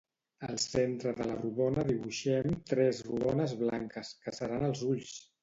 Al centre de la rodona dibuixem tres rodones blanques, que seran els ulls!